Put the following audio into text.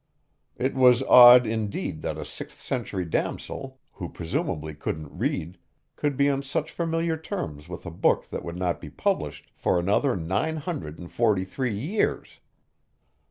It was odd indeed that a sixth century damosel who presumably couldn't read could be on such familiar terms with a book that would not be published for another nine hundred and forty three years.